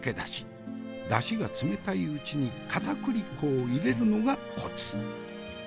だしが冷たいうちにかたくり粉を入れるのがコツ。